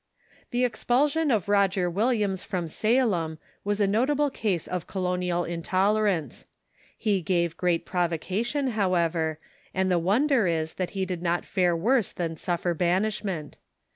The expulsion of Roger Williams from Salem was a nota ble case of colonial intolerance. He gave great provocation, however, and the wonder is that he did not fare Banishment of ^y^y^Q than Suffer banishment.